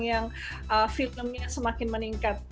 semakin banyak orang yang filmnya semakin meningkat